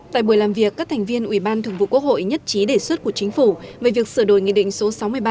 tại buổi làm việc các thành viên ủy ban thường vụ quốc hội nhất trí đề xuất của chính phủ về việc sửa đổi nghị định số sáu mươi ba